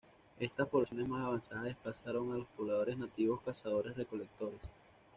Estas poblaciones más avanzadas desplazaron a los pobladores nativos cazadores-recolectores.